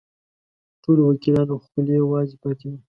ټولو وکیلانو خولې وازې پاتې وې.